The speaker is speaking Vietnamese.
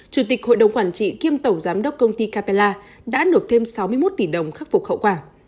chủ tịch hội đồng quản trị kiêm tổng giám đốc công ty capella đã nộp thêm sáu mươi một tỷ đồng khắc phục hậu quả